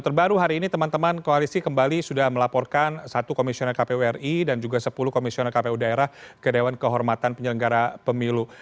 terbaru hari ini teman teman koalisi kembali sudah melaporkan satu komisioner kpu ri dan juga sepuluh komisioner kpu daerah ke dewan kehormatan penyelenggara pemilu